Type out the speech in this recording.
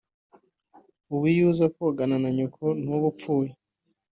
ubu iyo uza kogana na Nyoko ntuba upfuye